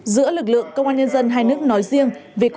giữa lực lượng công an nhân dân hai nước nói riêng